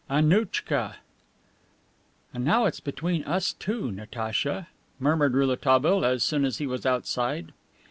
IX. ANNOUCHKA "And now it's between us two, Natacha," murmured Rouletabille as soon as he was outside.